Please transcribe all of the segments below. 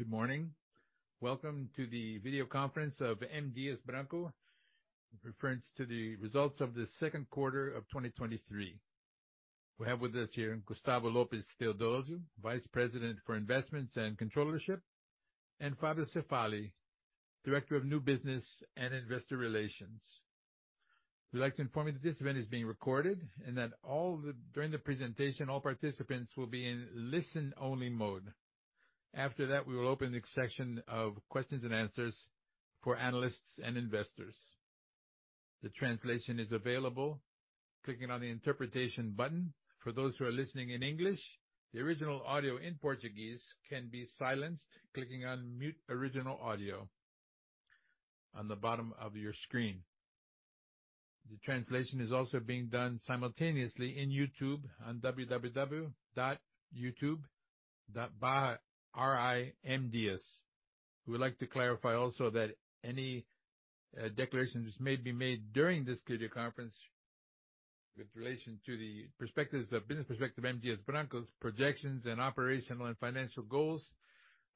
Good morning. Welcome to the video conference of M. Dias Branco, reference to the results of the 2Q 2023. We have with us here Gustavo Lopes Theodozio, Vice President for Investments and Controllership, and Fabio Cefaly, Director of New Business and Investor Relations. We'd like to inform you that this event is being recorded and that during the presentation, all participants will be in listen-only mode. After that, we will open the section of questions and answers for analysts and investors. The translation is available, clicking on the interpretation button. For those who are listening in English, the original audio in Portuguese can be silenced, clicking on Mute Original Audio on the bottom of your screen. The translation is also being done simultaneously in YouTube on www.youtube.MDiasBranco. We would like to clarify also that any declarations may be made during this video conference with relation to the perspectives business perspective, M. Dias Branco's projections and operational and financial goals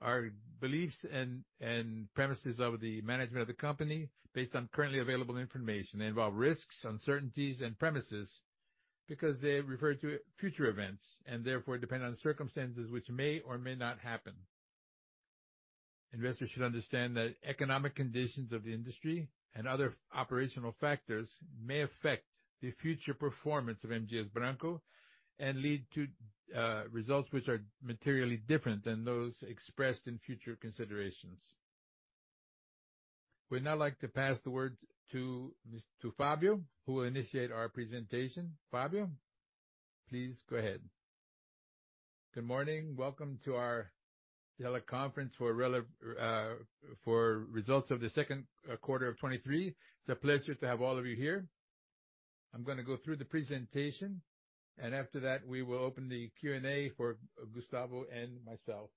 are beliefs and, and premises of the management of the company based on currently available information. They involve risks, uncertainties and premises because they refer to future events and therefore depend on circumstances which may or may not happen. Investors should understand that economic conditions of the industry and other operational factors may affect the future performance of M. Dias Branco and lead to results which are materially different than those expressed in future considerations. We'd now like to pass the word to Mr. Fabio, who will initiate our presentation. Fabio, please go ahead. Good morning. Welcome to our teleconference for results of the second quarter of 2023. It's a pleasure to have all of you here. I'm gonna go through the presentation, and after that, we will open the Q&A for Gustavo and myself.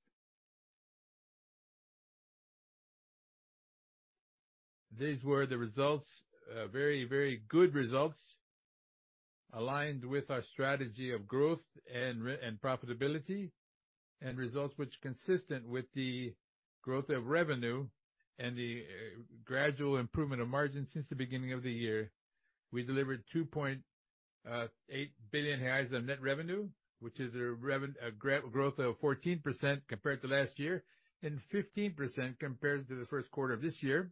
These were the results, very, very good results, aligned with our strategy of growth and profitability, and results which consistent with the growth of revenue and the gradual improvement of margin since the beginning of the year. We delivered 2.8 billion reais on net revenue, which is a growth of 14% compared to last year, and 15% compared to the first quarter of this year.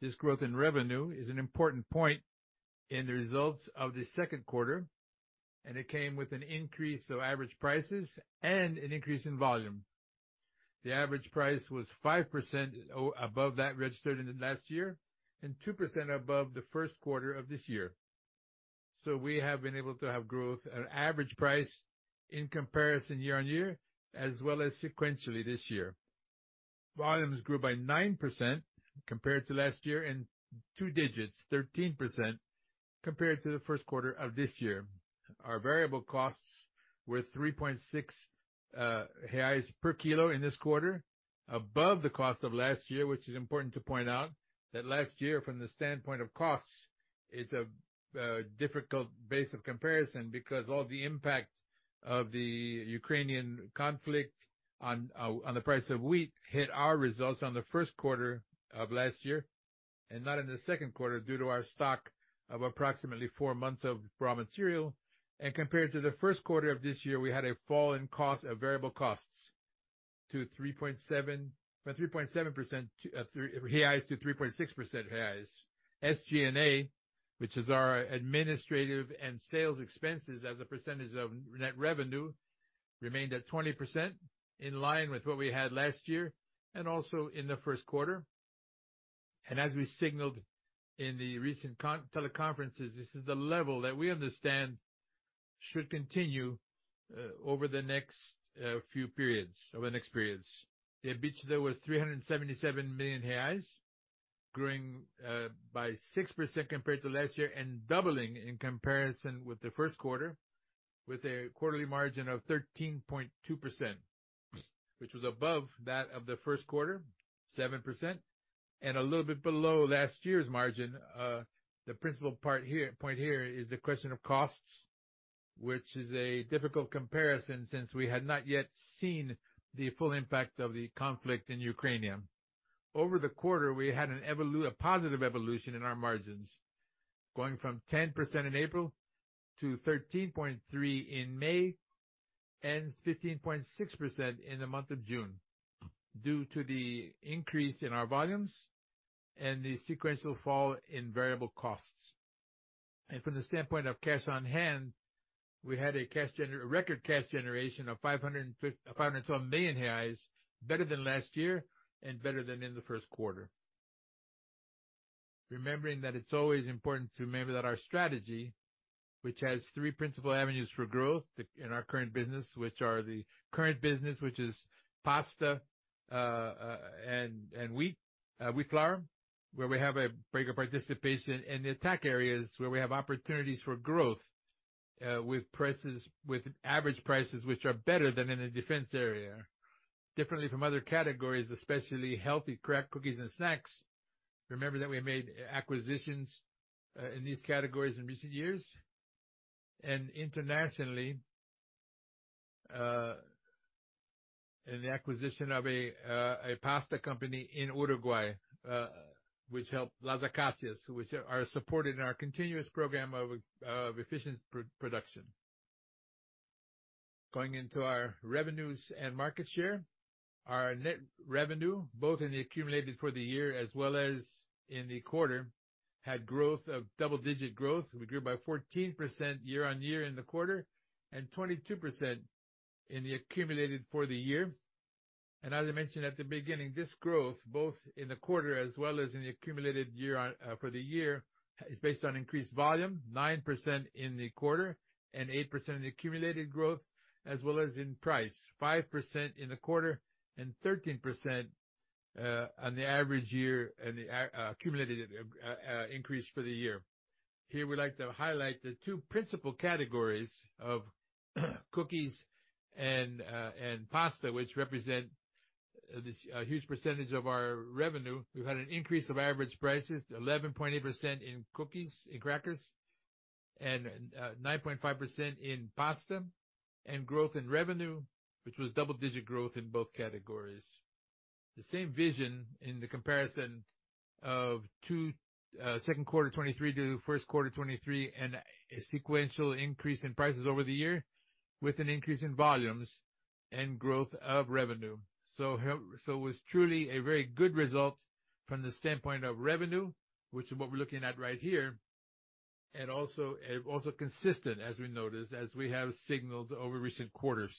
This growth in revenue is an important point in the results of the second quarter, and it came with an increase of average prices and an increase in volume. The average price was 5% above that registered in the last year and 2% above the first quarter of this year. We have been able to have growth at average price in comparison year-over-year, as well as sequentially this year. Volumes grew by 9% compared to last year, in two digits, 13% compared to the first quarter of this year. Our variable costs were R$3.6 per kilo in this quarter, above the cost of last year, which is important to point out. That last year, from the standpoint of costs, is a difficult base of comparison because all the impact of the Ukrainian conflict on the price of wheat hit our results on the first quarter of last year and not in the second quarter, due to our stock of approximately four months of raw material. Compared to the first quarter of this year, we had a fall in cost of variable costs to 3.7, 3.7% BRL to 3.6% BRL. SG&A, which is our administrative and sales expenses as a percentage of net revenue, remained at 20% in line with what we had last year and also in the first quarter. As we signaled in the recent teleconferences, this is the level that we understand should continue over the next few periods, over the next periods. EBITDA was BRL 377 million, growing by 6% compared to last year, and doubling in comparison with the first quarter, with a quarterly margin of 13.2%, which was above that of the first quarter, 7%, and a little bit below last year's margin. The principal point here is the question of costs, which is a difficult comparison since we had not yet seen the full impact of the conflict in Ukraine. Over the quarter, we had a positive evolution in our margins, going from 10% in April to 13.3 in May and 15.6% in the month of June, due to the increase in our volumes and the sequential fall in variable costs. From the standpoint of cash on hand, we had record cash generation of R$ 512 million, better than last year and better than in the first quarter. Remembering that it's always important to remember that our strategy, which has three principal avenues for growth in our current business, which are the current business, which is pasta, and, and wheat, wheat flour, where we have a bigger participation in the Attack areas, where we have opportunities for growth, with prices-- with average prices, which are better than in the Defense area, differently from other categories, especially healthy crackers, cookies, and snacks. Remember that we made acquisitions, in these categories in recent years. Internationally, in the acquisition of a, a pasta company in Uruguay, which helped Las Acacias, which are supporting our continuous program of, efficient pro-production. Going into our revenues and market share, our net revenue, both in the accumulated for the year as well as in the quarter, had growth of-- double-digit growth. We grew by 14% year-on-year in the quarter, 22% in the accumulated for the year. As I mentioned at the beginning, this growth, both in the quarter as well as in the accumulated year for the year, is based on increased volume, 9% in the quarter and 8% in the accumulated growth, as well as in price, 5% in the quarter and 13% on the average year and the accumulated increase for the year. Here, we'd like to highlight the two principal categories of cookies and pasta, which represent this huge percentage of our revenue. We've had an increase of average prices, 11.8% in cookies and crackers, and 9.5% in pasta, and growth in revenue, which was double-digit growth in both categories. The same vision in the comparison of second quarter 2023 to the first quarter 2023, and a sequential increase in prices over the year, with an increase in volumes and growth of revenue. It was truly a very good result from the standpoint of revenue, which is what we're looking at right here, and also, and also consistent, as we noticed, as we have signaled over recent quarters.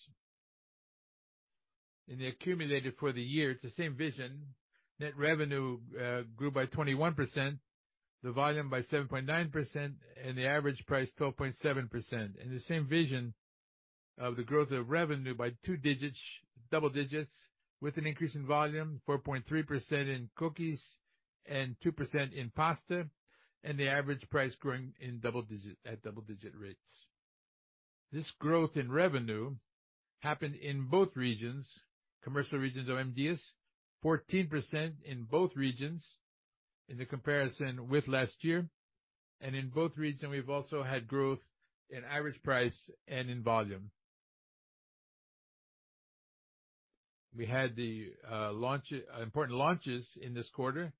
In the accumulated for the year, it's the same vision. Net revenue grew by 21%, the volume by 7.9%, and the average price 12.7%. The same vision of the growth of revenue by 2 digits, double digits, with an increase in volume 4.3% in cookies and 2% in pasta, and the average price growing in double-digit, at double-digit rates. This growth in revenue happened in both regions, commercial regions of M. Dias Branco, 14% in both regions in the comparison with last year. In both regions, we've also had growth in average price and in volume. We had the launch, important launches in this quarter,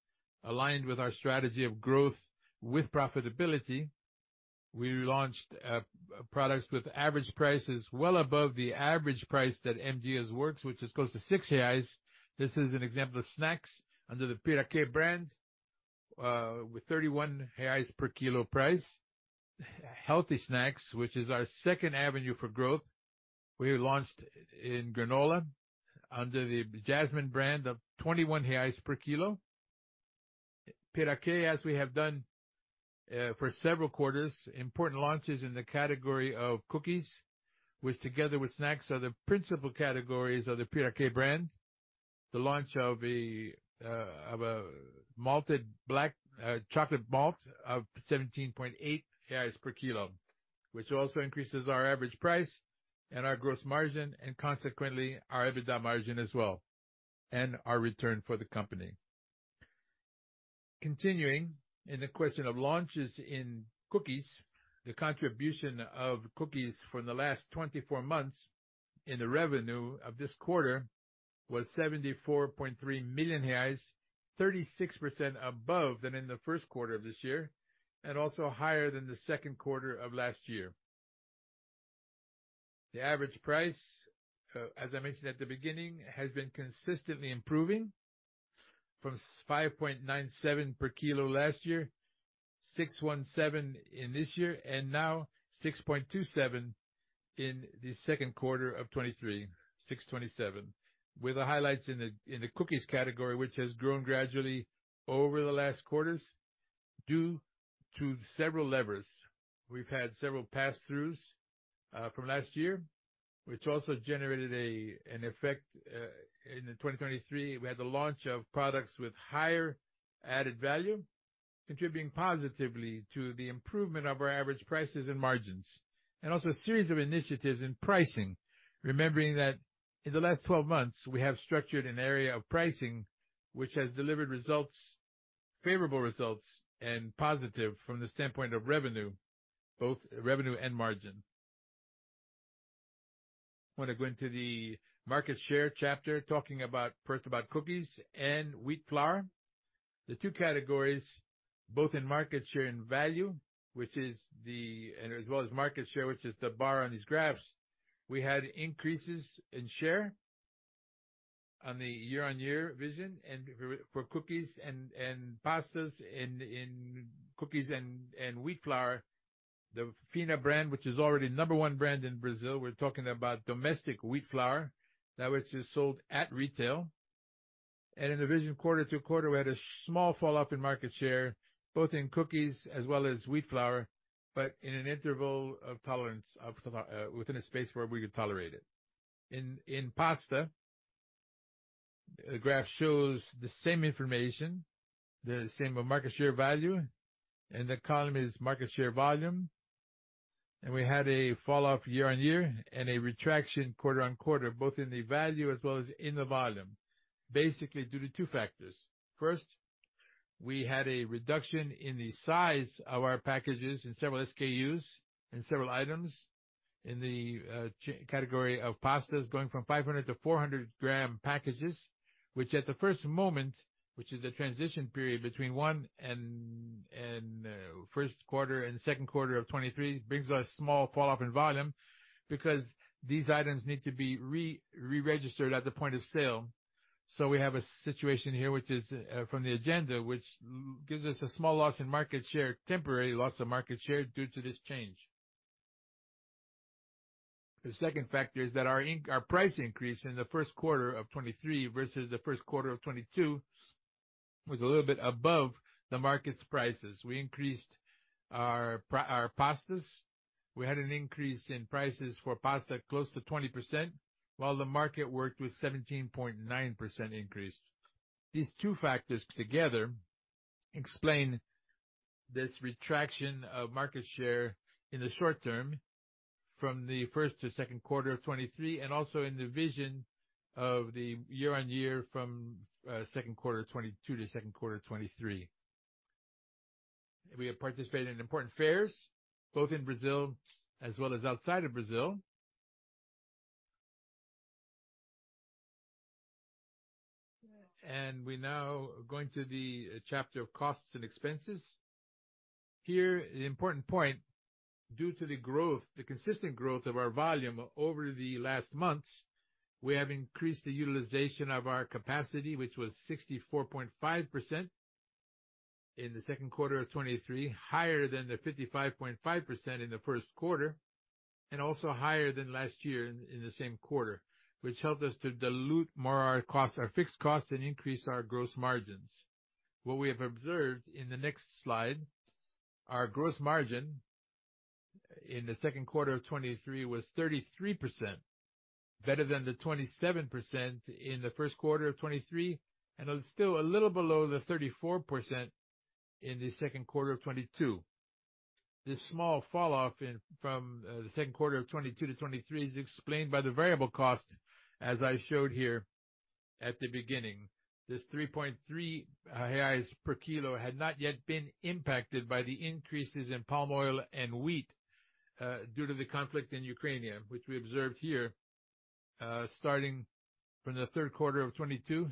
aligned with our strategy of growth with profitability. We launched products with average prices well above the average price that M. Dias Branco works, which is close to R$6. This is an example of snacks under the Piraquê brand, with R$31 per kilo price. Healthy snacks, which is our second avenue for growth, we launched in granola under the Jasmine brand of R$21 per kilo. Piraquê, as we have done for several quarters, important launches in the category of cookies, which, together with snacks, are the principal categories of the Piraquê brand. The launch of a, of a malted black, chocolate malt of 17.8 per kilo, which also increases our average price and our gross margin, and consequently, our EBITDA margin as well, and our return for the company. Continuing in the question of launches in cookies, the contribution of cookies from the last 24 months in the revenue of this quarter was 74.3 million reais, 36% above than in the 1st quarter of this year, and also higher than the 2nd quarter of last year. The average price, as I mentioned at the beginning, has been consistently improving from 5.97 per kilo last year, 6.17 in this year, and now 6.27 in the 2nd quarter of 2023, 6.27. With the highlights in the cookies category, which has grown gradually over the last quarters due to several levers. We've had several pass-throughs from last year, which also generated an effect in 2023. We had the launch of products with higher added value, contributing positively to the improvement of our average prices and margins, and also a series of initiatives in pricing. Remembering that in the last 12 months, we have structured an area of pricing which has delivered results, favorable results, and positive from the standpoint of revenue, both revenue and margin. I want to go into the market share chapter, talking about, first about cookies and wheat flour. The two categories, both in market share and value, which is the and as well as market share, which is the bar on these graphs. We had increases in share on the year-on-year vision, and for, for cookies and, and pastas, in, in cookies and, and wheat flour. The Finna brand, which is already number 1 brand in Brazil, we're talking about domestic wheat flour, that which is sold at retail. In the vision, quarter-to-quarter, we had a small falloff in market share, both in cookies as well as wheat flour, but in an interval of tolerance, of tola- within a space where we could tolerate it. In, in pasta, the graph shows the same information, the same market share value, and the column is market share volume. We had a falloff year-on-year and a retraction quarter-on-quarter, both in the value as well as in the volume, basically due to two factors. First. We had a reduction in the size of our packages in several SKUs, in several items, in the category of pastas, going from 500 to 400 g packages, which at the first moment, which is the transition period between first quarter and second quarter of 2023, brings us small falloff in volume, because these items need to be reregistered at the point of sale. We have a situation here, which is from the agenda, which gives us a small loss in market share, temporary loss of market share, due to this change. The second factor is that our price increase in the first quarter of 2023 versus the first quarter of 2022 was a little bit above the market's prices. We increased our pastas. We had an increase in prices for pasta, close to 20%, while the market worked with 17.9% increase. These two factors together explain this retraction of market share in the short term, from the first to second quarter of 2023, and also in the vision of the year-on-year from second quarter of 2022 to second quarter of 2023. We have participated in important fairs, both in Brazil as well as outside of Brazil. We now going to the chapter of costs and expenses. Here, the important point, due to the growth, the consistent growth of our volume over the last months, we have increased the utilization of our capacity, which was 64.5% in the second quarter of 2023, higher than the 55.5% in the first quarter, and also higher than last year in the same quarter, which helped us to dilute more our costs, our fixed costs, and increase our gross margins. What we have observed in the next slide, our gross margin in the second quarter of 2023 was 33%, better than the 27% in the first quarter of 2023, and it was still a little below the 34% in the second quarter of 2022. This small falloff from the second quarter of 2022 to 2023 is explained by the variable cost, as I showed here at the beginning. This 3.3 reais per kilo had not yet been impacted by the increases in palm oil and wheat, due to the conflict in Ukraine, which we observed here, starting from 3Q22.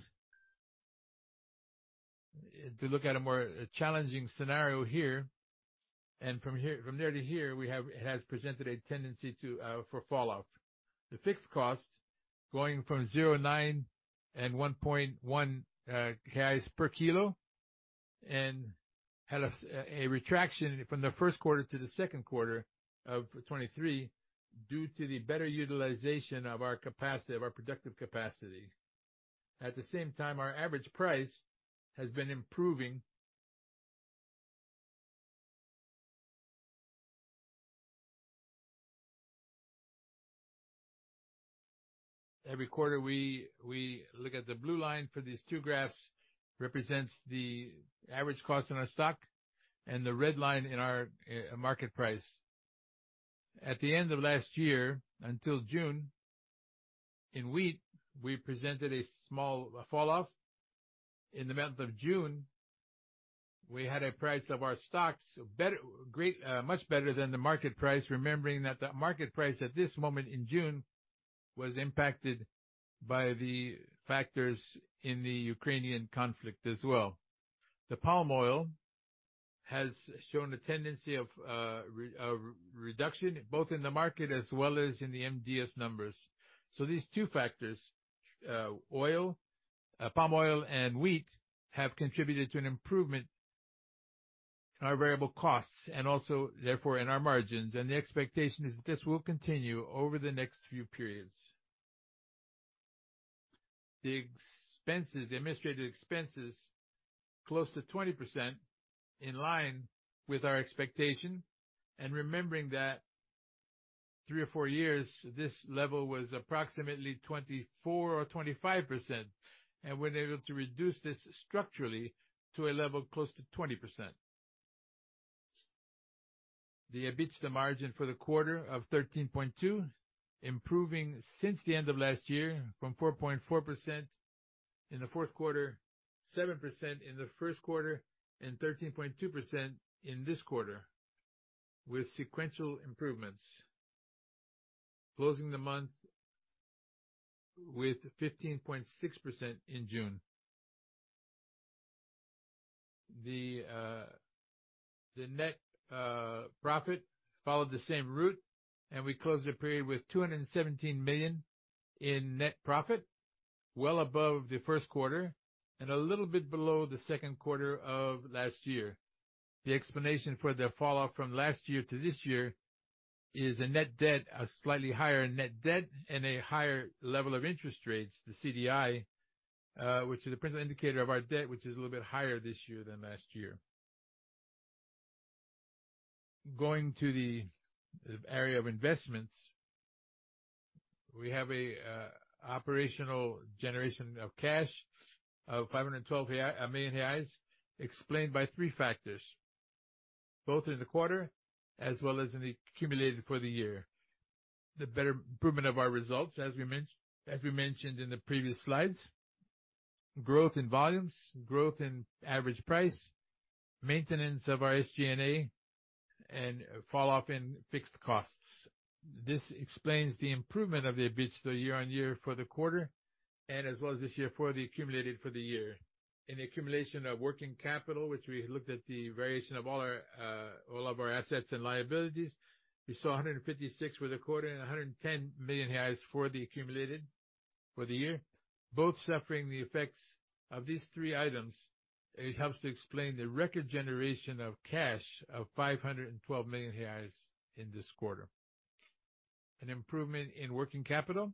To look at a more challenging scenario here, from there to here, it has presented a tendency to for falloff. The fixed cost going from 0.9 and 1.1 per kilo, had a retraction from 1Q23 to 2Q23 due to the better utilization of our capacity, of our productive capacity. At the same time, our average price has been improving. Every quarter we look at the blue line for these two graphs, represents the average cost in our stock, and the red line in our market price. At the end of last year, until June, in wheat, we presented a small falloff. In the month of June, we had a price of our stocks better, great, much better than the market price, remembering that the market price at this moment in June, was impacted by the factors in the Ukrainian conflict as well. The palm oil has shown a tendency of reduction, both in the market as well as in the M. Dias Branco numbers. These two factors, oil, palm oil and wheat, have contributed to an improvement in our variable costs and also, therefore, in our margins. The expectation is that this will continue over the next few periods. The expenses, the administrative expenses, close to 20% in line with our expectation. Remembering that three or four years, this level was approximately 24% or 25%, and we're now able to reduce this structurally to a level close to 20%. The EBITDA margin for the quarter of 13.2%, improving since the end of last year from 4.4% in the fourth quarter, 7% in the first quarter, and 13.2% in this quarter, with sequential improvements. Closing the month with 15.6% in June. The net profit followed the same route. We closed the period with 217 million in net profit, well above the first quarter and a little bit below the second quarter of last year. The explanation for the falloff from last year to this year is a net debt, a slightly higher net debt and a higher level of interest rates, the CDI, which is the principal indicator of our debt, which is a little bit higher this year than last year. Going to the area of investments, we have an operational generation of cash of 512 million reais, explained by three factors, both in the quarter as well as in the accumulated for the year. The better improvement of our results, as we mentioned, as we mentioned in the previous slides, growth in volumes, growth in average price, maintenance of our SG&A, and falloff in fixed costs. This explains the improvement of the EBITDA year-on-year for the quarter, and as well as this year for the accumulated for the year. In the accumulation of working capital, which we looked at the variation of all our, all of our assets and liabilities, we saw 156.25 million and 110 million reais for the accumulated for the year, both suffering the effects of these three items. It helps to explain the record generation of cash of 512 million reais in this quarter. An improvement in working capital,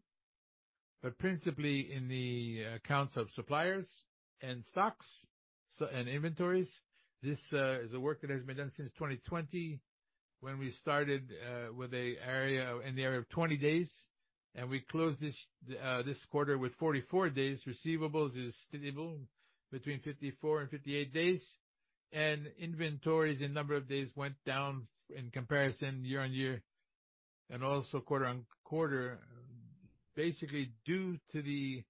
principally in the accounts of suppliers and stocks and inventories. This is a work that has been done since 2020, when we started, in the area of 20 days, and we closed this quarter with 44 days. Receivables is stable between 54 and 58 days, and inventories in number of days went down in comparison to year-over-year and also quarter-over-quarter, basically due to the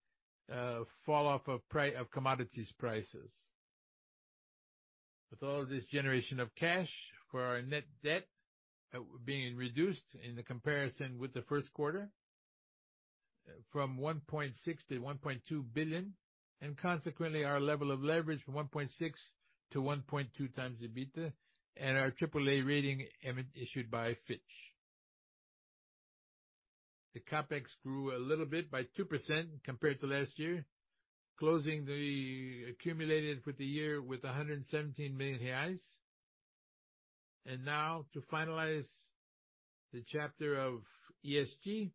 falloff of commodities prices. With all this generation of cash for our net debt being reduced in the comparison with the first quarter, from 1.6 billion-1.2 billion, and consequently our level of leverage from 1.6x-1.2x the EBITDA, and our triple A rating issued by Fitch. The CapEx grew a little bit by 2% compared to last year, closing the accumulated for the year with 117 million reais. Now to finalize the chapter of ESG,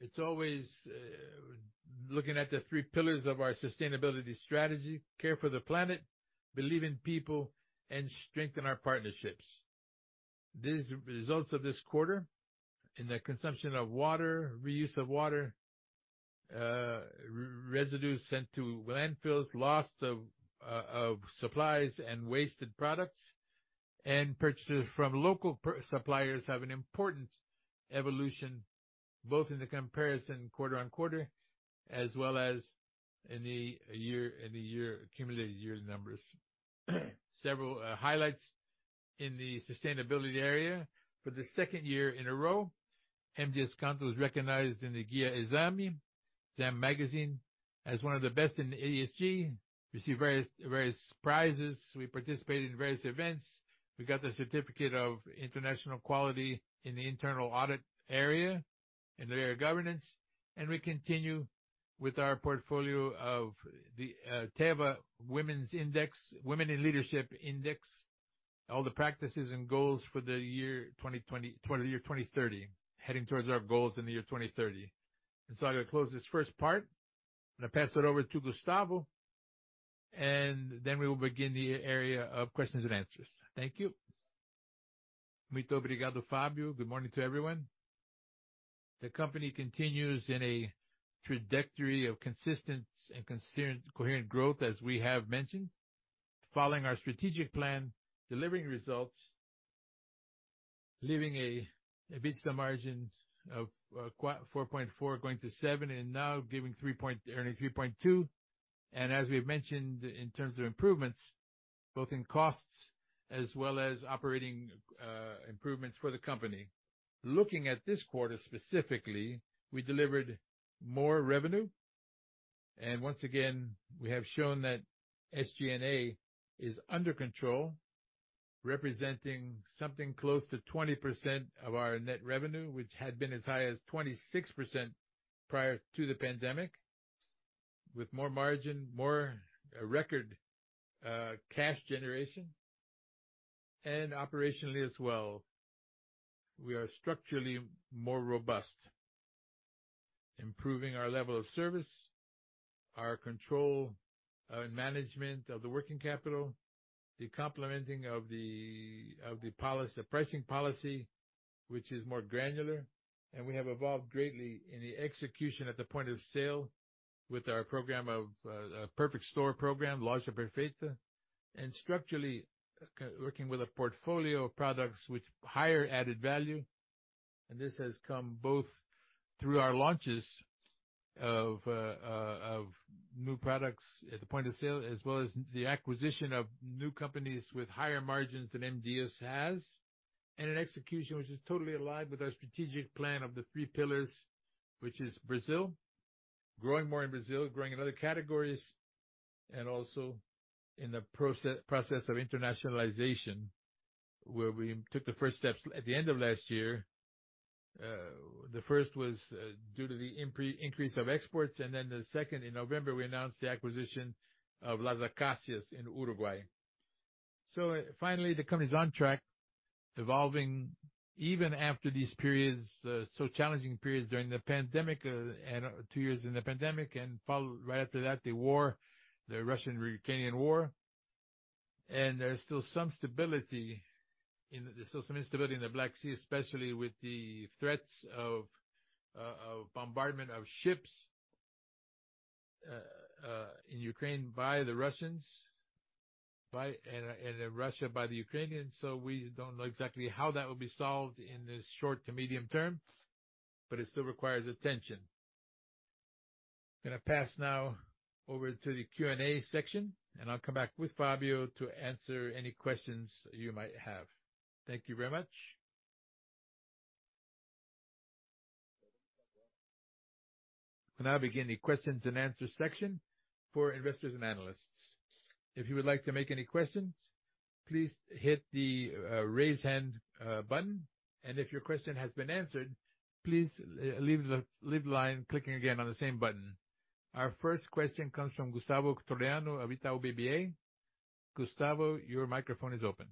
it's always looking at the three pillars of our sustainability strategy: care for the planet, believe in people, and strengthen our partnerships. These results of this quarter in the consumption of water, reuse of water, residues sent to landfills, loss of supplies and wasted products, and purchases from local per- suppliers have an important evolution, both in the comparison quarter-on-quarter, as well as in the year, in the year, accumulated year numbers. Several highlights in the sustainability area. For the second year in a row, M. Dias Branco was recognized in the Guia Exame, Exame Magazine, as one of the best in ESG. We received various, various prizes. We participated in various events. We got the certificate of international quality in the internal audit area, in the area of governance, and we continue with our portfolio of the Women in Leadership Index, Women in Leadership Index, all the practices and goals for the year 2020, 20 year, 2030. Heading towards our goals in the year 2030. I'm gonna close this first part, and I'll pass it over to Gustavo, and then we will begin the area of questions and answers. Thank you. Muito obrigado, Fabio. Good morning to everyone. The company continues in a trajectory of consistent and coherent growth, as we have mentioned, following our strategic plan, delivering results, leaving a, EBITDA margins of 4.4%, going to 7%, and now giving 3 point, earning 3.2%. As we've mentioned, in terms of improvements, both in costs as well as operating improvements for the company. Looking at this quarter specifically, we delivered more revenue, and once again, we have shown that SG&A is under control, representing something close to 20% of our net revenue, which had been as high as 26% prior to the pandemic, with more margin, more record, cash generation and operationally as well. We are structurally more robust, improving our level of service, our control and management of the working capital, the complementing of the policy, the pricing policy, which is more granular, and we have evolved greatly in the execution at the point of sale with our program of, a perfect store program, Loja Perfeita, and structurally, working with a portfolio of products with higher added value. This has come both through our launches of new products at the point of sale, as well as the acquisition of new companies with higher margins than M. Dias has, and an execution which is totally aligned with our strategic plan of the 3 pillars, which is Brazil. Growing more in Brazil, growing in other categories, and also in the process of internationalization, where we took the first steps at the end of last year. The first was due to the increase of exports, and then the second, in November, we announced the acquisition of Las Acacias in Uruguay. Finally, the company's on track, evolving even after these periods, so challenging periods during the pandemic, and 2 years in the pandemic, and right after that, the war, the Russian-Ukrainian war. There's still some stability in the... There's still some instability in the Black Sea, especially with the threats of bombardment of ships in Ukraine by the Russians, in Russia, by the Ukrainians, so we don't know exactly how that will be solved in the short to medium term, but it still requires attention. I'm gonna pass now over to the Q&A section. I'll come back with Fabio to answer any questions you might have. Thank you very much. We now begin the questions and answers section for investors and analysts. If you would like to make any questions, please hit the raise hand button. If your question has been answered, please leave the line clicking again on the same button. Our first question comes from Gustavo Troyano of Itaú BBA. Gustavo, your microphone is open.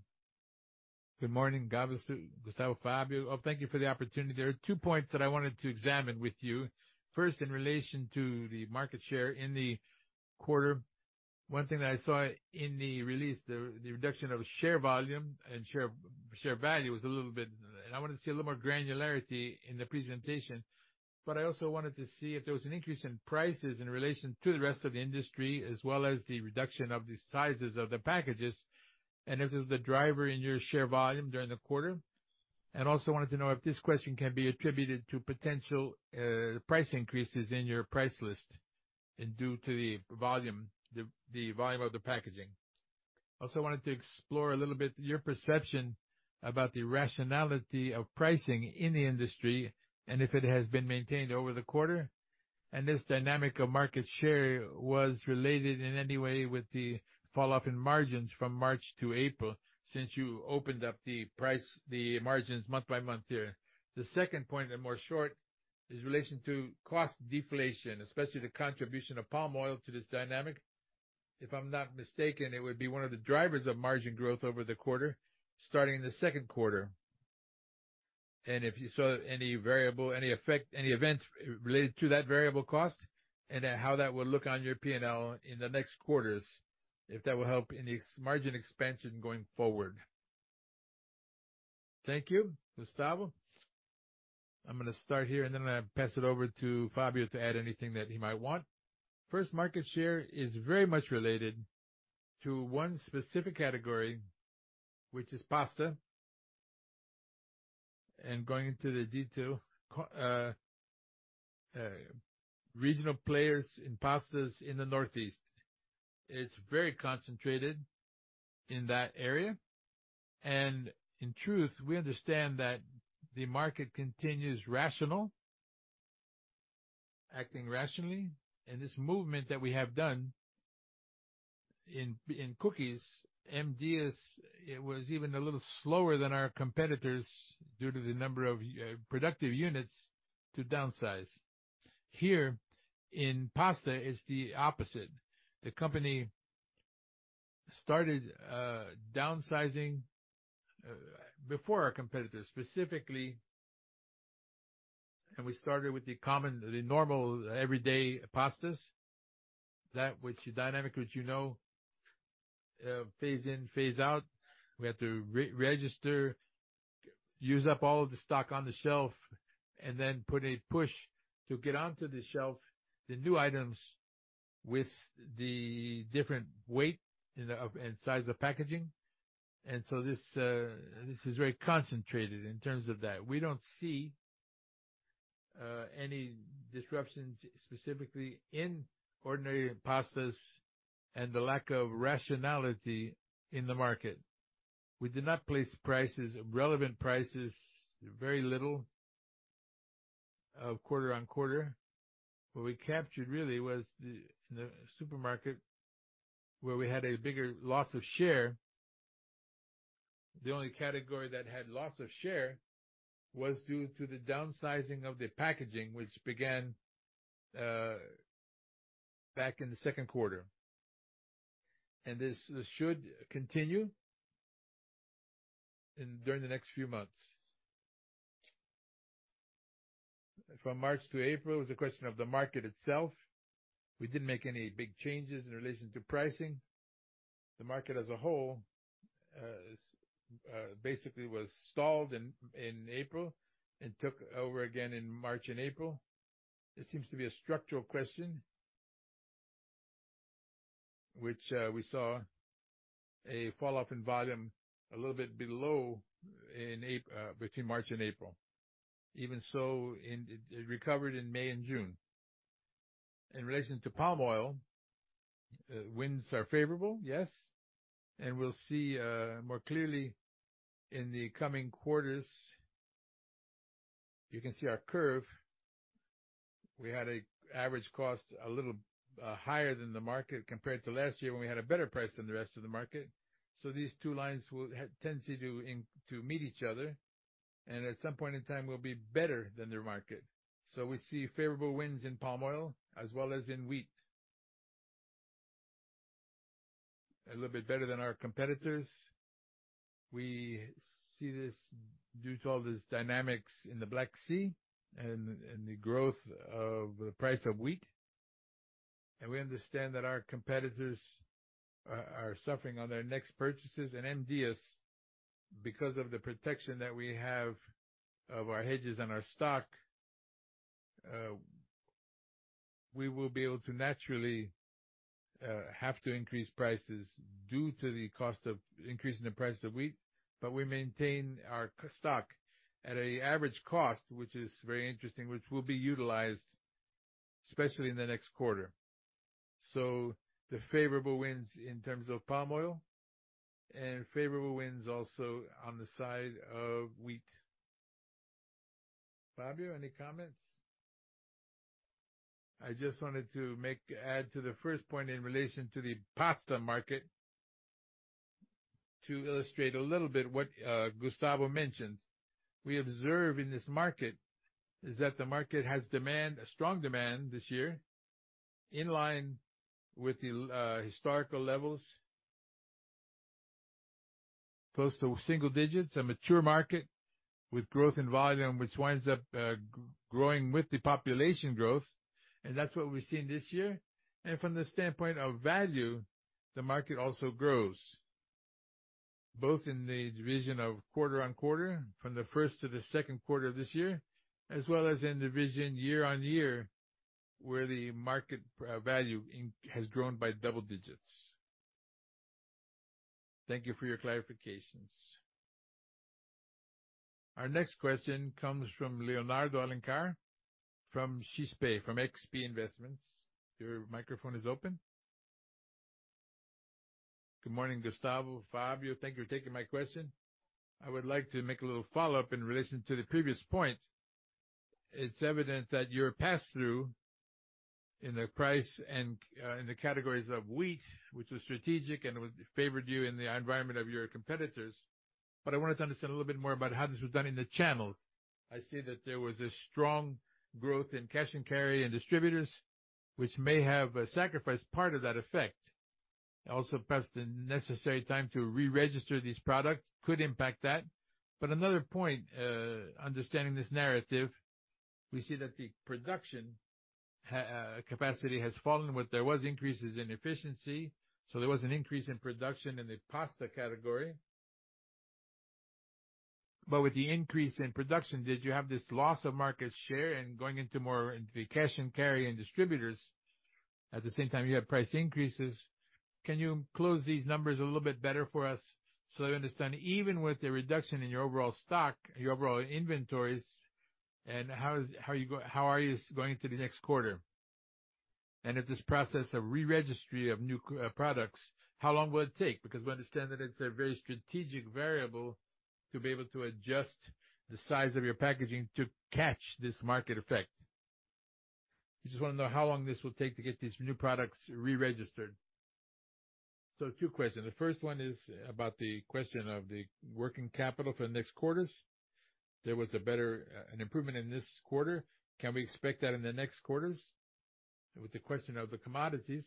Good morning, Gustavo, Fabio. Oh, thank you for the opportunity. There are two points that I wanted to examine with you. First, in relation to the market share in the quarter. One thing that I saw in the release, the reduction of share volume and share value was a little bit. I wanted to see a little more granularity in the presentation, but I also wanted to see if there was an increase in prices in relation to the rest of the industry, as well as the reduction of the sizes of the packages, and if it was the driver in your share volume during the quarter. Also wanted to know if this question can be attributed to potential price increases in your price list and due to the volume of the packaging. I also wanted to explore a little bit, your perception about the rationality of pricing in the industry and if it has been maintained over the quarter, and this dynamic of market share was related in any way with the falloff in margins from March to April, since you opened up the price, the margins month by month here. The second point, more short, is in relation to cost deflation, especially the contribution of palm oil to this dynamic. If I'm not mistaken, it would be one of the drivers of margin growth over the quarter, starting in the second quarter, and if you saw any variable, any effect, any events related to that variable cost, and then how that will look on your P&L in the next quarters, if that will help in ex- margin expansion going forward. Thank you, Gustavo. I'm gonna start here, and then I'm gonna pass it over to Fabio to add anything that he might want. First, market share is very much related to one specific category, which is pasta. Going into the detail, regional players in pastas in the Northeast, it's very concentrated in that area, and in truth, we understand that the market continues rational, acting rationally, and this movement that we have done in, in cookies, M. Dias Branco, it was even a little slower than our competitors due to the number of productive units to downsize. Here, in pasta, it's the opposite. The company started downsizing before our competitors, specifically... We started with the common, the normal, everyday pastas. That which the dynamic, which, you know, phase in, phase out. We had to re-register, use up all of the stock on the shelf, and then put a push to get onto the shelf, the new items with the different weight and the and size of packaging. This is very concentrated in terms of that. We don't see any disruptions, specifically in ordinary pastas and the lack of rationality in the market. We did not place prices, relevant prices, very little, quarter on quarter. What we captured really was the supermarket, where we had a bigger loss of share. The only category that had loss of share was due to the Downsizing of the packaging, which began back in the second quarter, and this should continue during the next few months. March to April, it was a question of the market itself. We didn't make any big changes in relation to pricing. The market as a whole, is, basically was stalled in, in April and took over again in March and April. It seems to be a structural question. Which, we saw a falloff in volume a little bit below in between March and April. Even so, in, it, it recovered in May and June. In relation to palm oil, winds are favorable, yes, and we'll see, more clearly in the coming quarters. You can see our curve. We had a average cost, a little, higher than the market compared to last year, when we had a better price than the rest of the market. These two lines will have tendency to meet each other, and at some point in time, will be better than the market. We see favorable winds in palm oil as well as in wheat. A little bit better than our competitors. We see this due to all these dynamics in the Black Sea and the growth of the price of wheat. We understand that our competitors are suffering on their next purchases, and because of the protection that we have of our hedges and our stock, we will be able to naturally have to increase prices due to the cost of increase in the price of wheat, but we maintain our stock at a average cost, which is very interesting, which will be utilized, especially in the next quarter. The favorable winds in terms of palm oil and favorable winds also on the side of wheat. Fabio, any comments? I just wanted to add to the first point in relation to the pasta market. To illustrate a little bit what Gustavo mentioned. We observe in this market, is that the market has demand, a strong demand this year, in line with the historical levels. Close to single digits, a mature market with growth in volume, which winds up growing with the population growth, that's what we've seen this year. From the standpoint of value, the market also grows, both in the division of quarter-on-quarter, from the first to the second quarter of this year, as well as in division year-on-year, where the market value has grown by double digits. Thank you for your clarifications. Our next question comes from Leonardo Alencar, from XP Investimentos, from XP Investimentos. Your microphone is open. Good morning, Gustavo, Fabio. Thank you for taking my question. I would like to make a little follow-up in relation to the previous point. It's evident that your pass-through in the price and in the categories of wheat, which was strategic and favored you in the environment of your competitors. I wanted to understand a little bit more about how this was done in the channel. I see that there was a strong growth in cash and carry, and distributors, which may have sacrificed part of that effect. Also, perhaps the necessary time to re-register these products could impact that. Another point, understanding this narrative, we see that the production capacity has fallen, but there was increases in efficiency, so there was an increase in production in the pasta category. With the increase in production, did you have this loss of market share and going into more into the cash and carry, and distributors at the same time you have price increases? Can you close these numbers a little bit better for us so I understand, even with the reduction in your overall stock, your overall inventories, and how are you going to the next quarter? If this process of re-registry of new products, how long will it take? Because we understand that it's a very strategic variable to be able to adjust the size of your packaging to catch this market effect. We just want to know how long this will take to get these new products reregistered. Two questions. The first one is about the question of the working capital for the next quarters. There was a better, an improvement in this quarter. Can we expect that in the next quarters? With the question of the commodities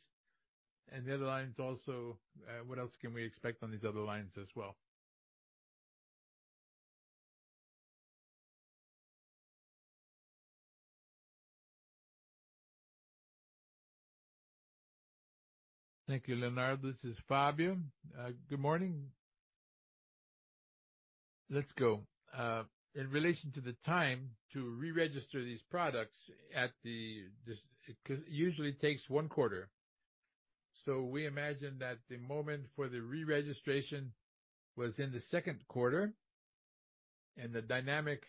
and the other lines also, what else can we expect on these other lines as well? Thank you, Leonardo. This is Fabio. Good morning. Let's go. In relation to the time to reregister these products at the... It usually takes one quarter. So we imagine that the moment for the reregistration was in the second quarter, and the dynamic,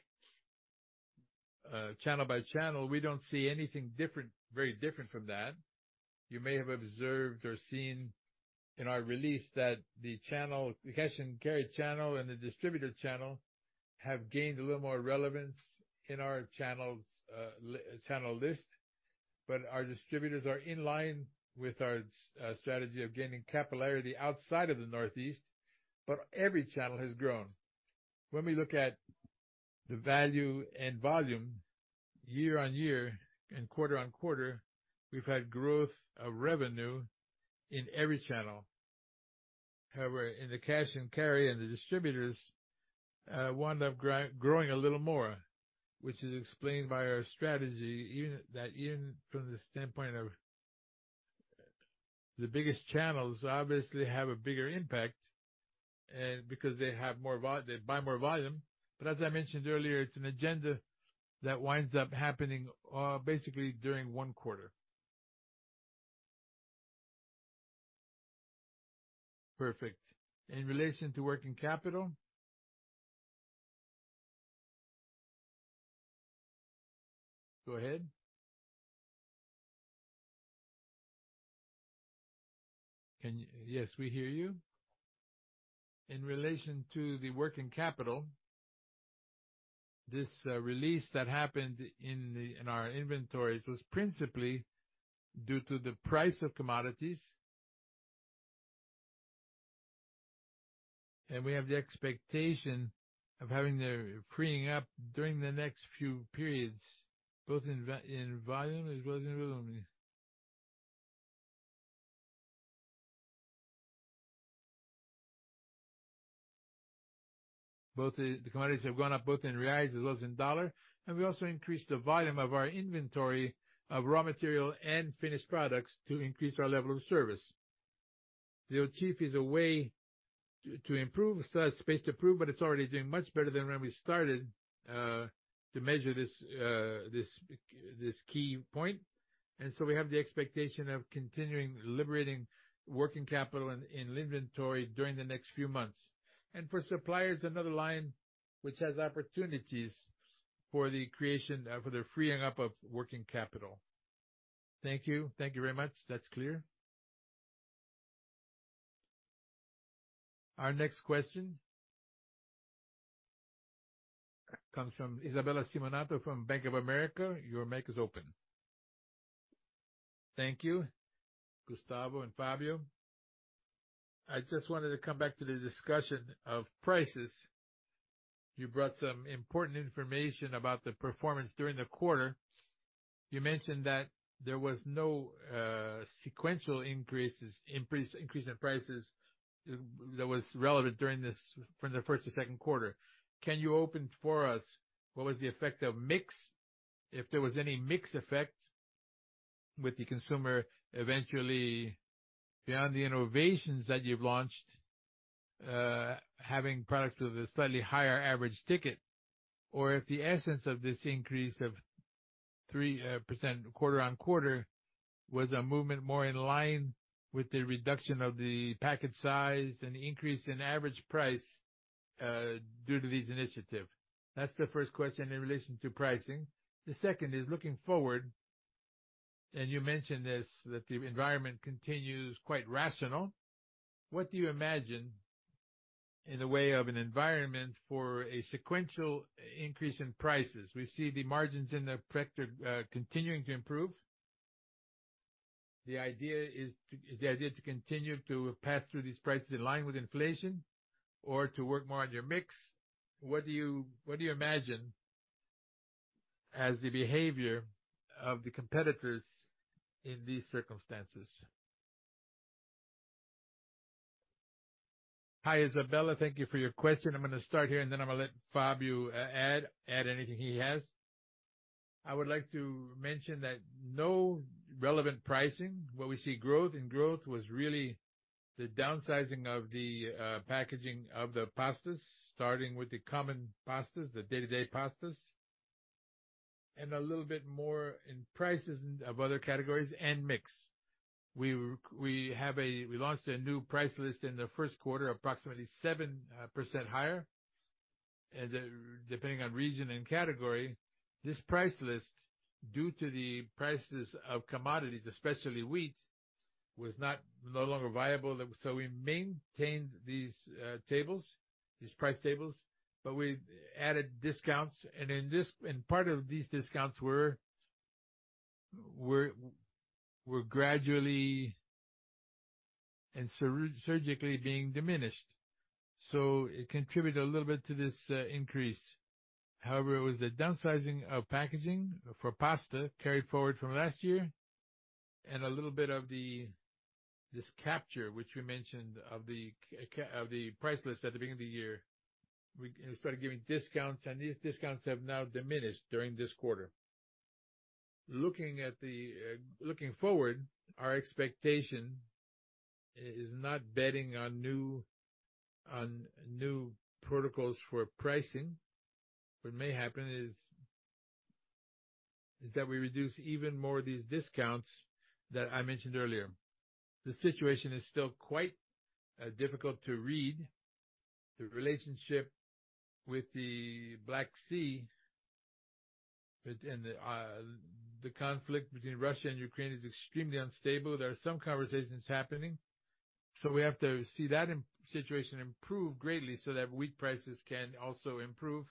channel by channel, we don't see anything different-- very different from that. You may have observed or seen in our release that the channel, the cash and carry channel and the distributor channel, have gained a little more relevance in our channels, channel list, but our distributors are in line with our strategy of gaining capillarity outside of the Northeast, but every channel has grown. When we look at the value and volume year-over-year and quarter-over-quarter, we've had growth of revenue in every channel. However, in the cash and carry, and the distributors, wound up growing a little more, which is explained by our strategy, even that, even from the standpoint of the biggest channels, obviously have a bigger impact, and because they have more they buy more volume. As I mentioned earlier, it's an agenda that winds up happening, basically during one quarter. Perfect. In relation to working capital? Go ahead. Can you-- Yes, we hear you. In relation to the working capital, this release that happened in the, in our inventories was principally due to the price of commodities. We have the expectation of having the freeing up during the next few periods, both in volume. Both commodities have gone up both in reais as well as in dollar, and we also increased the volume of our inventory of raw material and finished products to increase our level of service. The OCF is a way to, to improve, so that's space to improve, but it's already doing much better than when we started to measure this, this key point. So we have the expectation of continuing liberating working capital in, in inventory during the next few months. For suppliers, another line which has opportunities for the creation, for the freeing up of working capital. Thank you. Thank you very much. That's clear. Our next question comes from Isabella Simonato from Bank of America. Your mic is open. Thank you, Gustavo and Fabio. I just wanted to come back to the discussion of prices. You brought some important information about the performance during the quarter. You mentioned that there was no sequential increases, increase, increase in prices that was relevant during from the first to second quarter. Can you open for us, what was the effect of mix? If there was any mix effect with the consumer, eventually, beyond the innovations that you've launched, having products with a slightly higher average ticket, or if the essence of this increase of 3% quarter-on-quarter, was a movement more in line with the reduction of the package size and increase in average price, due to this initiative? That's the first question in relation to pricing. The second is looking forward, and you mentioned this, that the environment continues quite rational. What do you imagine in the way of an environment for a sequential increase in prices? We see the margins in the sector, continuing to improve. Is the idea to continue to pass through these prices in line with inflation or to work more on your mix? What do you, what do you imagine as the behavior of the competitors in these circumstances? Hi, Isabella. Thank you for your question. I'm gonna start here, and then I'm gonna let Fabio add anything he has. I would like to mention that no relevant pricing, where we see growth, and growth was really the downsizing of the packaging of the pastas, starting with the common pastas, the day-to-day pastas, and a little bit more in prices of other categories and mix. We launched a new price list in the first quarter, approximately 7% higher, and then depending on region and category, this price list, due to the prices of commodities, especially wheat, was not no longer viable. we maintained these tables, these price tables, but we added discounts, and in this... Part of these discounts were gradually and surgically being diminished, so it contributed a little bit to this increase. However, it was the downsizing of packaging for pasta carried forward from last year, and a little bit of the, this capture, which we mentioned, of the price list at the beginning of the year. We started giving discounts. These discounts have now diminished during this quarter. Looking at the Looking forward, our expectation is not betting on new, on new protocols for pricing. What may happen is that we reduce even more these discounts that I mentioned earlier. The situation is still quite difficult to read. The relationship with the Black Sea, in the conflict between Russia and Ukraine is extremely unstable. There are some conversations happening, so we have to see that situation improve greatly so that wheat prices can also improve,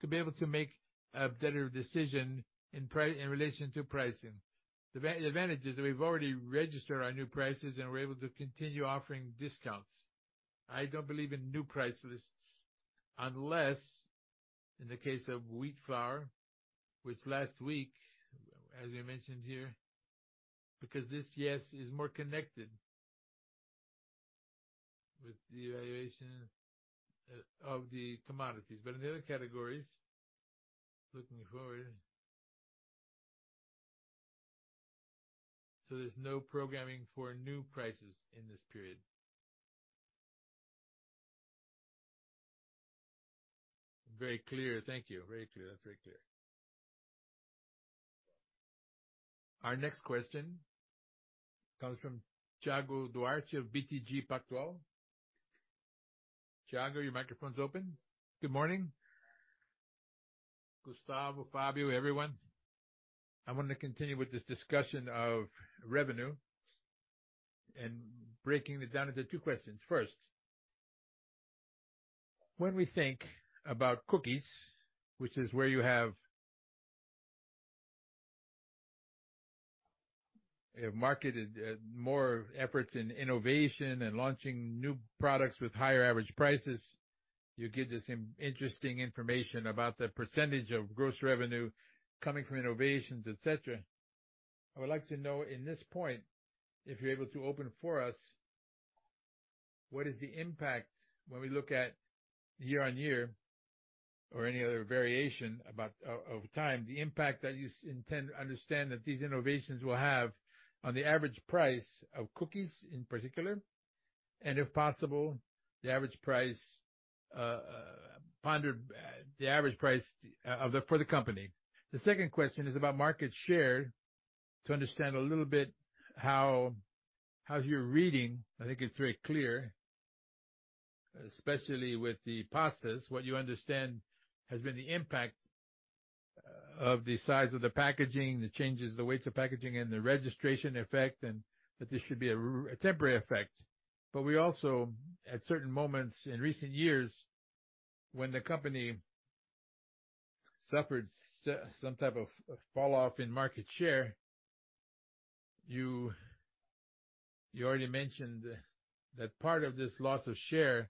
to be able to make a better decision in relation to pricing. The advantage is that we've already registered our new prices, and we're able to continue offering discounts. I don't believe in new price lists, unless in the case of wheat flour, which last week, as we mentioned here, because this, yes, is more connected with the evaluation of the commodities. In the other categories, looking forward... There's no programming for new prices in this period. Very clear. Thank you. Very clear. That's very clear. Our next question comes from Thiago Duarte of BTG Pactual. Thiago, your microphone's open. Good morning, Gustavo, Fabio, everyone. I want to continue with this discussion of revenue and breaking it down into two questions. First, when we think about cookies, which is where you have marketed more efforts in innovation and launching new products with higher average prices, you give this interesting information about the % of gross revenue coming from innovations, et cetera. I would like to know in this point, if you're able to open for us, what is the impact when we look at year-over-year or any other variation about over time, the impact that you understand that these innovations will have on the average price of cookies in particular, and if possible, the average price pondered, the average price for the company. The second question is about market share, to understand a little bit how, how's your reading? I think it's very clear, especially with the pastas. What you understand has been the impact of the size of the packaging, the changes, the weights of packaging, and the registration effect, and that this should be a temporary effect. We also, at certain moments in recent years, when the company suffered some type of falloff in market share, you, you already mentioned that part of this loss of share,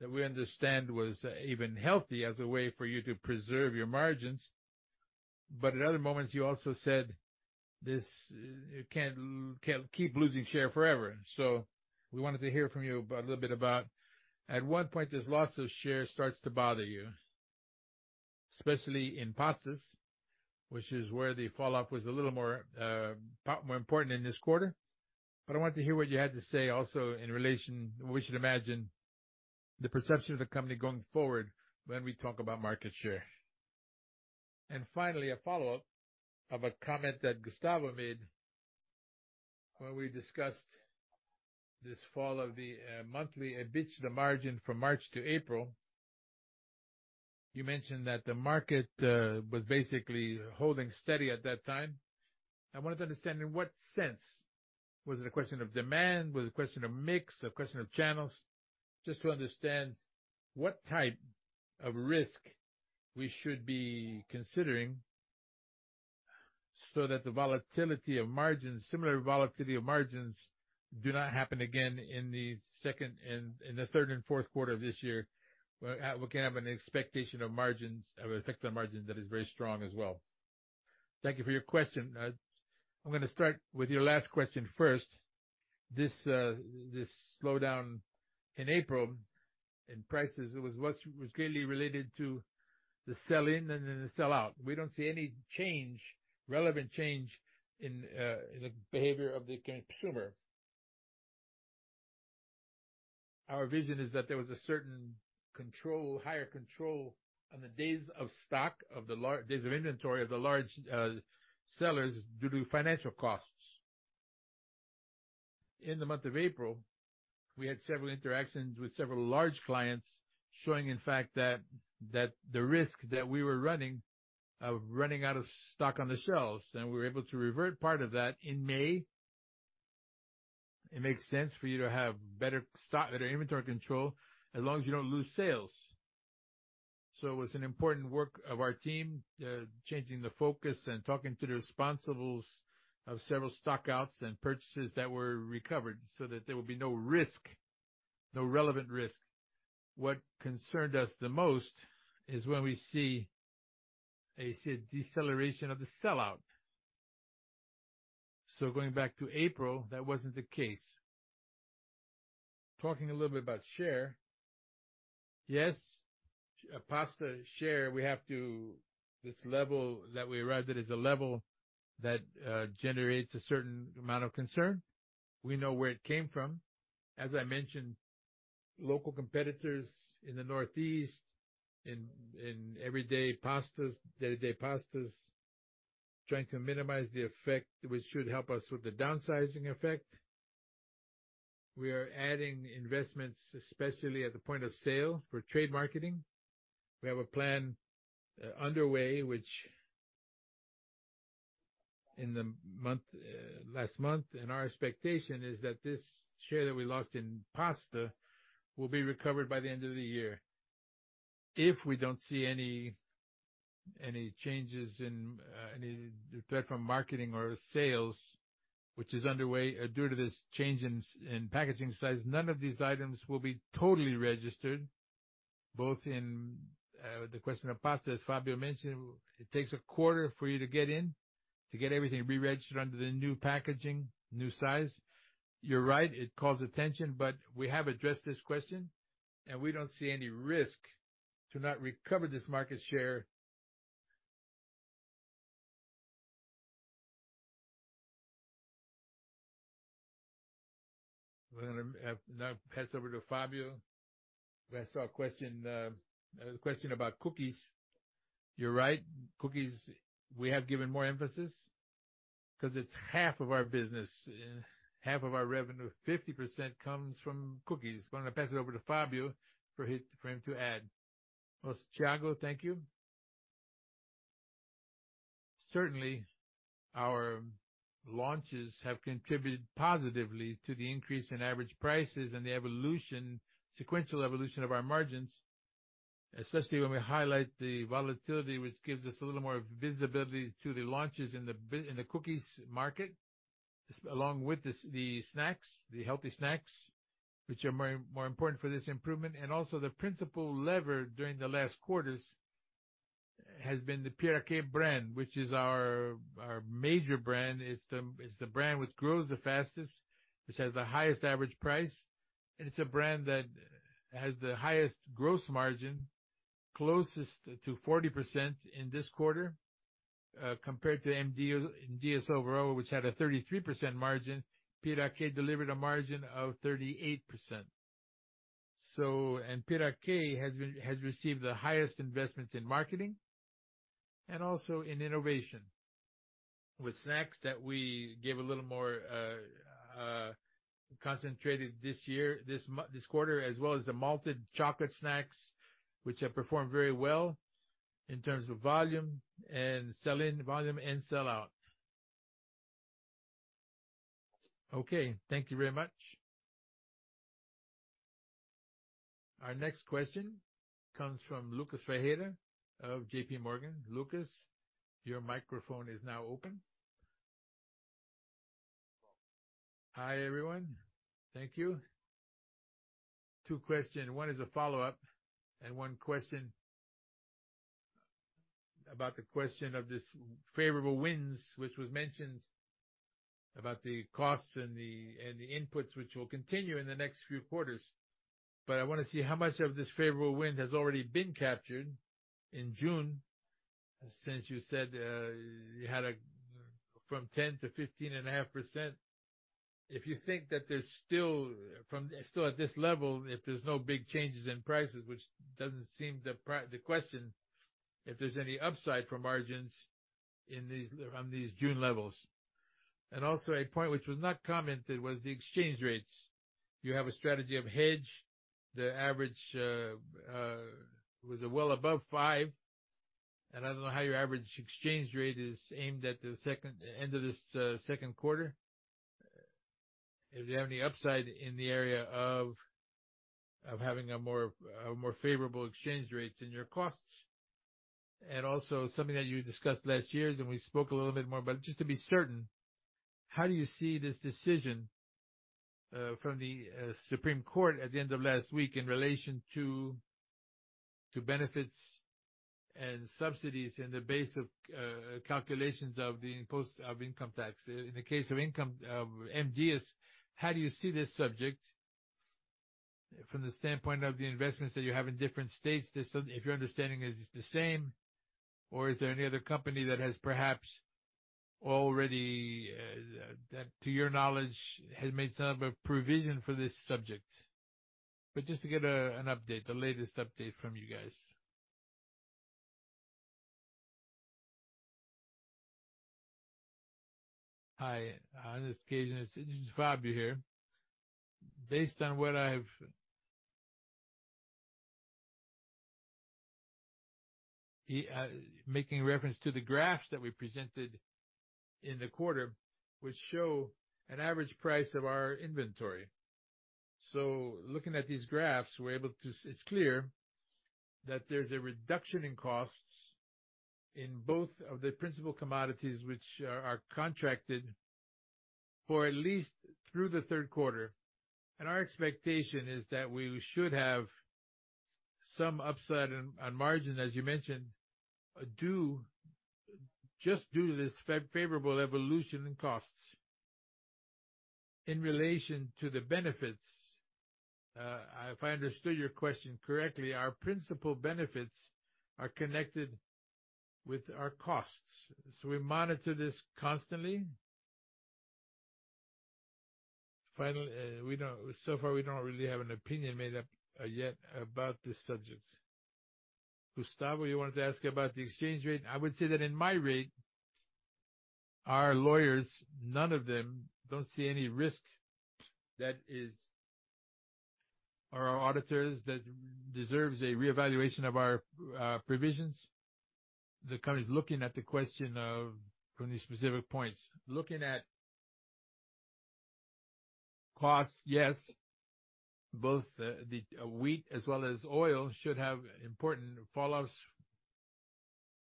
that we understand was even healthy as a way for you to preserve your margins. At other moments, you also said, "This, you can't, can't keep losing share forever." We wanted to hear from you about a little bit about at what point this loss of share starts to bother you, especially in pastas, which is where the falloff was a little more, more important in this quarter. I want to hear what you had to say also in relation, we should imagine, the perception of the company going forward when we talk about market share. Finally, a follow-up of a comment that Gustavo made when we discussed this fall of the monthly EBITDA margin from March to April. You mentioned that the market was basically holding steady at that time. I wanted to understand in what sense? Was it a question of demand, was it a question of mix, a question of channels? Just to understand what type of risk we should be considering so that the volatility of margins, similar volatility of margins do not happen again in the second and in the third and fourth quarter of this year. We can have an expectation of margins, of effect on margins that is very strong as well. Thank you for your question. I'm gonna start with your last question first. This, this slowdown in April, in prices, it was what was greatly related to the sell-in and then the sell-out. We don't see any change, relevant change, in, in the behavior of the consumer. Our vision is that there was a certain control, higher control on the days of stock, of the days of inventory, of the large sellers, due to financial costs. In the month of April, we had several interactions with several large clients, showing, in fact, that, that the risk that we were running, of running out of stock on the shelves, and we were able to revert part of that in May. It makes sense for you to have better stock, better inventory control, as long as you don't lose sales. It was an important work of our team, changing the focus and talking to the responsibles of several stock-outs and purchases that were recovered so that there will be no risk, no relevant risk. What concerned us the most is when we see deceleration of the sellout. Going back to April, that wasn't the case. Talking a little bit about share. Yes, pasta share. This level that we arrived at is a level that generates a certain amount of concern. We know where it came from. As I mentioned, local competitors in the Northeast, in everyday pastas, day-to-day pastas, trying to minimize the effect, which should help us with the downsizing effect. We are adding investments, especially at the point of sale for trade marketing. We have a plan underway, which in the month, last month, and our expectation is that this share that we lost in pasta will be recovered by the end of the year. If we don't see any, any changes in any threat from marketing or sales, which is underway due to this change in packaging size, none of these items will be totally registered, both in the question of pastas, Fabio mentioned, it takes a quarter for you to get in, to get everything re-registered under the new packaging, new size. You're right, it calls attention, but we have addressed this question, and we don't see any risk to not recover this market share. We're gonna now pass over to Fabio. I saw a question, a question about cookies. You're right. Cookies, we have given more emphasis because it's half of our business, half of our revenue. 50% comes from cookies. I'm gonna pass it over to Fabio for him to add. Well, Thiago, thank you. Certainly, our launches have contributed positively to the increase in average prices and the evolution, sequential evolution of our margins, especially when we highlight the volatility, which gives us a little more visibility to the launches in the cookies market. Along with the snacks, the healthy snacks, which are more, more important for this improvement. Also the principal lever during the last quarters has been the Piraquê brand, which is our, our major brand. It's the, it's the brand which grows the fastest, which has the highest average price, and it's a brand that has the highest gross margin, closest to 40% in this quarter. Compared to M. Dias Branco overall, which had a 33% margin, Piraquê delivered a margin of 38%. So-- and Piraquê has been-- has received the highest investments in marketing and also in innovation, with snacks that we gave a little more concentrated this year, this mo- this quarter, as well as the malted chocolate snacks, which have performed very well in terms of volume and sell-in volume and sell-out. Okay, thank you very much. Our next question comes from Lucas Ferreira of JPMorgan. Lucas, your microphone is now open. Hi, everyone. Thank you. Two question. One is a follow-up and one question about the question of this favorable winds, which was mentioned about the costs and the inputs, which will continue in the next few quarters. I want to see how much of this favorable wind has already been captured in June, since you said you had a from 10%-15.5%? If you think that there's still at this level, if there's no big changes in prices, which doesn't seem the question, if there's any upside for margins on these June levels? Also a point which was not commented was the exchange rates. You have a strategy of hedge. The average was it well above 5, and I don't know how your average exchange rate is aimed at the second, end of this, second quarter? If you have any upside in the area of, of having a more, a more favorable exchange rates in your costs. Also something that you discussed last year, and we spoke a little bit more, but just to be certain, how do you see this decision from the Supreme Court at the end of last week in relation to, to benefits and subsidies and the base of calculations of the post of income tax. In the case of income, M. Dias Branco, how do you see this subject from the standpoint of the investments that you have in different states? If your understanding is the same, or is there any other company that has perhaps already that to your knowledge, has made some of a provision for this subject? Just to get an update, the latest update from you guys. Hi, on this occasion, this is Fabio here. Based on what I've... making reference to the graphs that we presented in the quarter, which show an average price of our inventory. Looking at these graphs, we're able to-- It's clear that there's a reduction in costs in both of the principal commodities, which are, are contracted for at least through the third quarter. Our expectation is that we should have some upside on, on margin, as you mentioned, due-- just due to this fa-favorable evolution in costs in relation to the benefits. If I understood your question correctly, our principal benefits are connected with our costs, so we monitor this constantly. We don't-- So far, we don't really have an opinion made up yet about this subject. Gustavo, you wanted to ask about the exchange rate? I would say that in my rate, our lawyers, none of them, don't see any risk that is... Or our auditors, that deserves a reevaluation of our provisions. The company is looking at the question of, from these specific points. Looking at costs, yes, both, the wheat as well as oil, should have important falloffs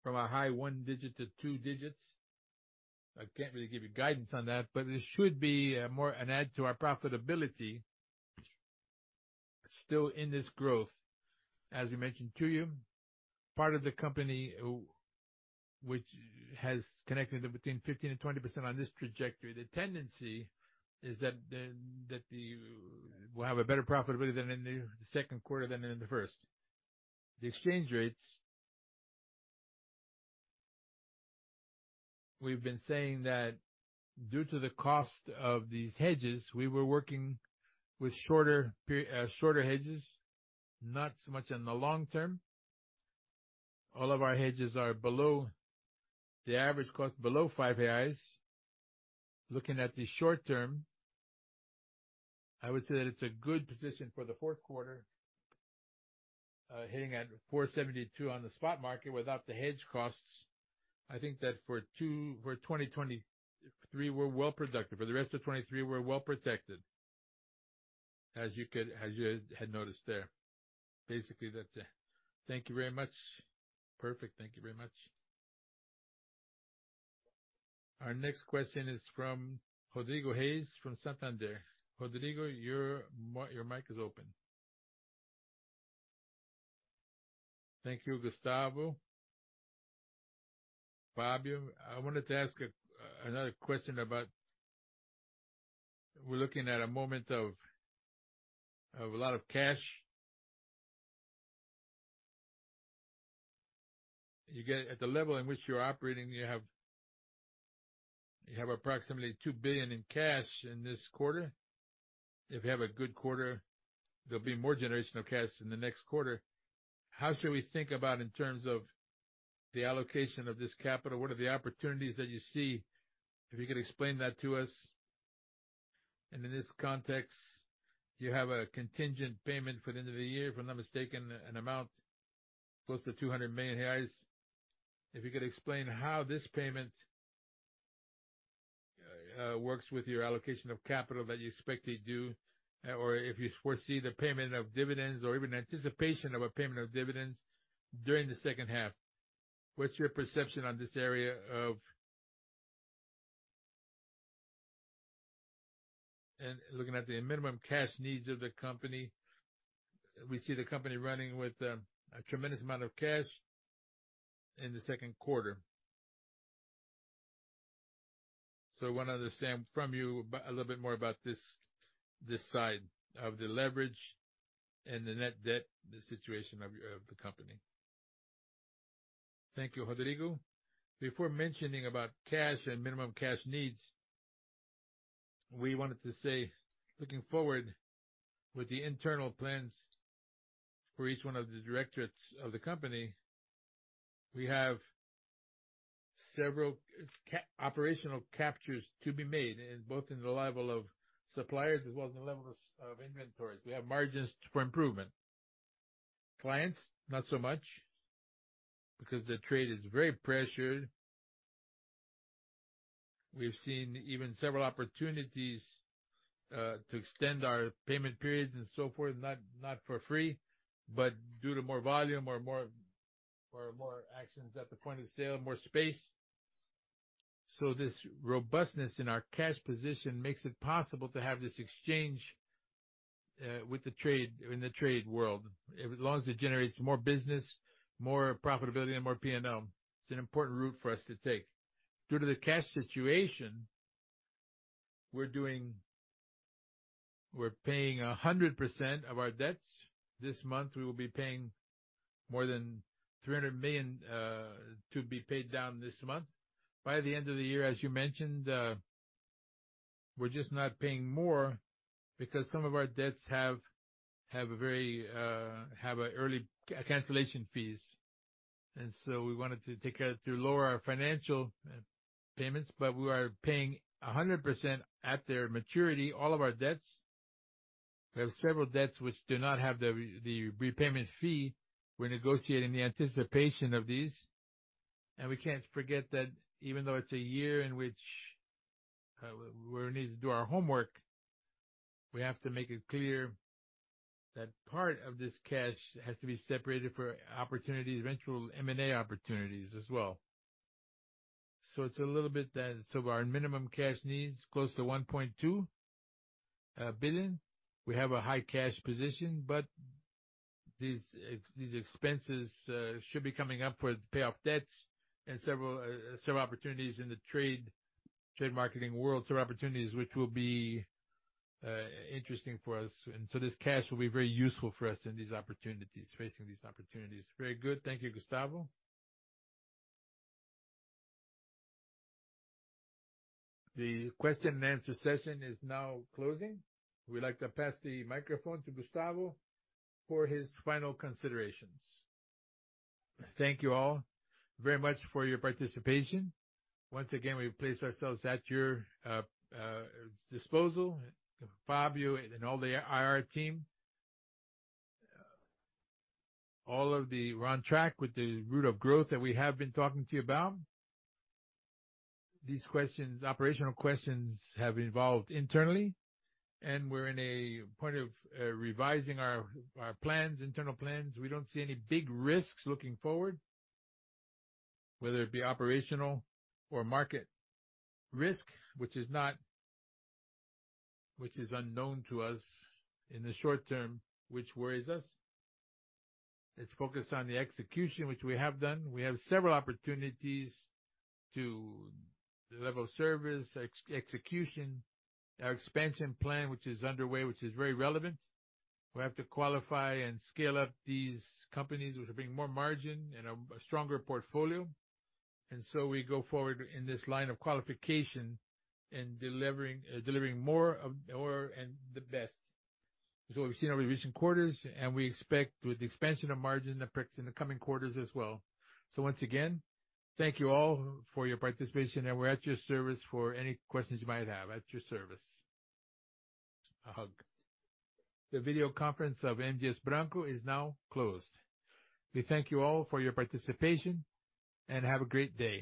from a high 1 digit to 2 digits. I can't really give you guidance on that, but it should be more an add to our profitability, still in this growth. As we mentioned to you, part of the company which has connected between 15% and 20% on this trajectory, the tendency is that We'll have a better profitability than in the second quarter than in the first. The exchange rates. We've been saying that due to the cost of these hedges, we were working with shorter, shorter hedges, not so much in the long term. All of our hedges are below the average cost, below 5 CDIs. Looking at the short term, I would say that it's a good position for the fourth quarter, hitting at R$472 on the spot market without the hedge costs. I think that for 2023, we're well productive. For the rest of 2023, we're well protected. As you could, as you had noticed there. Basically, that's it. Thank you very much. Perfect. Thank you very much. Our next question is from Rodrigo Almeida from Santander. Rodrigo, your mic is open. Thank you, Gustavo. Fabio, I wanted to ask another question about we're looking at a moment of a lot of cash. At the level in which you're operating, you have, you have approximately 2 billion in cash in this quarter. If you have a good quarter, there'll be more generation of cash in the next quarter. How should we think about in terms of the allocation of this capital? What are the opportunities that you see? If you could explain that to us. In this context, you have a contingent payment for the end of the year, if I'm not mistaken, an amount close to 200 million reais. If you could explain how this payment works with your allocation of capital that you expect to do, or if you foresee the payment of dividends or even anticipation of a payment of dividends during the second half. What's your perception on this area of... Looking at the minimum cash needs of the company, we see the company running with a tremendous amount of cash in the second quarter. I wanna understand from you about, a little bit more about this, this side of the leverage and the net debt, the situation of your, of the company. Thank you, Rodrigo. Before mentioning about cash and minimum cash needs, we wanted to say, looking forward with the internal plans for each one of the directorates of the company, we have several operational captures to be made, in both in the level of suppliers as well as the level of, of inventories. We have margins for improvement. Clients, not so much, because the trade is very pressured. We've seen even several opportunities to extend our payment periods and so forth, not, not for free, but due to more volume or more, or more actions at the point of sale, more space. This robustness in our cash position makes it possible to have this exchange with the trade, in the trade world, as long as it generates more business, more profitability and more P&L. It's an important route for us to take. Due to the cash situation, we're paying 100% of our debts. This month, we will be paying more than 300 million to be paid down this month. By the end of the year, as you mentioned, we're just not paying more because some of our debts have, have a very, have a early cancellation fees. So we wanted to take out to lower our financial payments, but we are paying 100% at their maturity, all of our debts. We have several debts which do not have the re- the repayment fee. We're negotiating the anticipation of these, and we can't forget that even though it's a year in which we need to do our homework, we have to make it clear that part of this cash has to be separated for opportunities, eventual M&A opportunities as well. It's a little bit that so our minimum cash needs, close to R$1.2 billion. We have a high cash position, but these ex- these expenses should be coming up for the payoff debts and several, several opportunities in the trade, trade marketing world, so opportunities which will be interesting for us. This cash will be very useful for us in these opportunities, facing these opportunities. Very good. Thank you, Gustavo. The question and answer session is now closing. We'd like to pass the microphone to Gustavo for his final considerations. Thank you all very much for your participation. Once again, we place ourselves at your disposal, Fabio and all the IR team. All of the, we're on track with the route of growth that we have been talking to you about. These questions, operational questions, have evolved internally, and we're in a point of revising our, our plans, internal plans. We don't see any big risks looking forward, whether it be operational or market risk, which is unknown to us in the short term, which worries us. It's focused on the execution, which we have done. We have several opportunities to the level of service, execution, our expansion plan, which is underway, which is very relevant. We have to qualify and scale up these companies, which will bring more margin and a stronger portfolio. So we go forward in this line of qualification and delivering, delivering more of, more and the best. We've seen over recent quarters, and we expect with the expansion of margin, the pricks in the coming quarters as well. Once again, thank you all for your participation, and we're at your service for any questions you might have. At your service. A hug. The video conference of M. Dias Branco is now closed. We thank you all for your participation, and have a great day.